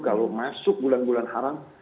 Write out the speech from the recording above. kalau masuk bulan bulan haram